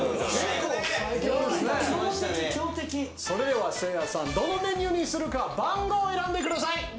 それではせいやさんどのメニューにするか番号を選んでください。